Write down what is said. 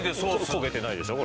焦げてないでしょ？